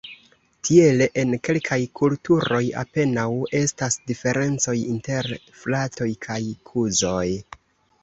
Tiele en kelkaj kulturoj apenaŭ estas diferencoj inter fratoj kaj kuzoj.